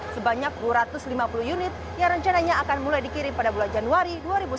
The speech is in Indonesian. sebanyak dua ratus lima puluh unit yang rencananya akan mulai dikirim pada bulan januari dua ribu sembilan belas